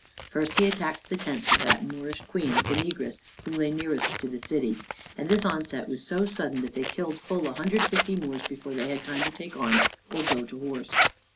First he attacked the tents of that Moorish queen the negress, who lay nearest to the city; and this onset was so sudden, that they killed full a hundred and fifty Moors before they had time to take arms or go to horse.